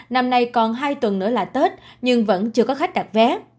năm nay còn hai tuần nữa là tết nhưng vẫn chưa có khách đặt vé